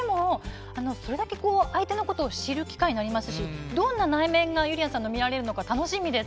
それだけ相手のことを知る機会になりますしどんな内面が見られるのか楽しみです。